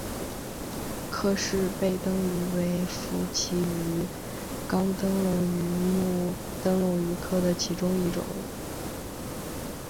克氏背灯鱼为辐鳍鱼纲灯笼鱼目灯笼鱼科的其中一种。